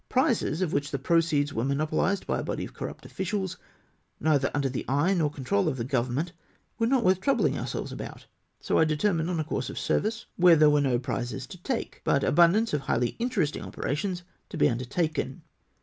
Prizes, of which the proceeds were monopolised by a body of corrupt officials, neither under the eye nor control of the government, were not worth troubling ourselves about ; so I determined on a com'se of service where there were no prizes to take, but abundance of highly interesting operations to be undertaken.